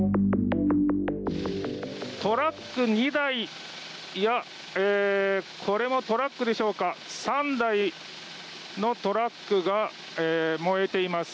トラック２台いや、これもトラックでしょうか３台のトラックが燃えています。